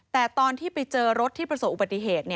แต่ตอนที่ไปเจอรถที่ประสบอุบัติเหตุ